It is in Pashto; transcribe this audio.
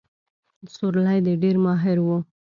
سورلۍ کې ډېر ماهر وو.